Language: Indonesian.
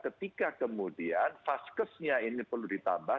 ketika kemudian vaskesnya ini perlu ditambah